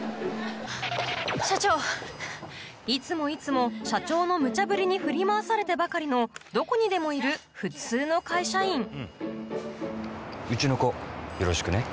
いつもいつも社長のムチャブリに振り回されてばかりのどこにでもいる普通の会社員うちの子よろしくね。